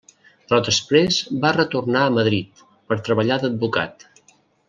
Però després va retornar a Madrid per treballar d'advocat.